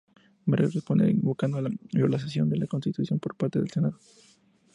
Vargas responde invocando la violación de la constitución por parte del Senado.